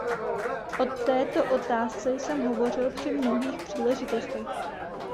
O této otázce jsem hovořil při mnohých příležitostech.